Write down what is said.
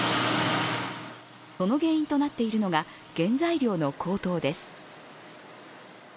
その原因となっているのが原材料の高騰です。